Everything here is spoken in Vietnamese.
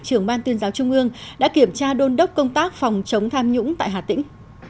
trưởng ban tuyên giáo trung ương đã kiểm tra đôn đốc công tác phòng chống tham nhũng tại hà tĩnh